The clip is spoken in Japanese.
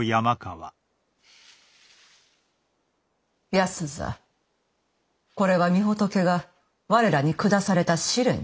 安左これは御仏が我らに下された試練じゃ。